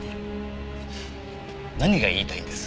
何が言いたいんです？